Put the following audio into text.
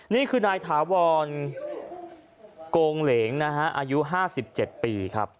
นี่คือนายถาวรโกงเหลงนะฮะอายุ๕๗ปีครับ